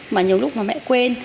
mà nhiều lúc mà mẹ quên